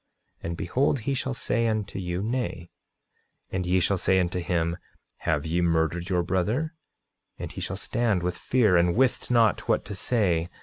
9:28 And behold, he shall say unto you, Nay. 9:29 And ye shall say unto him: Have ye murdered your brother? 9:30 And he shall stand with fear, and wist not what to say.